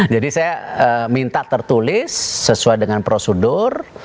jadi saya minta tertulis sesuai dengan prosedur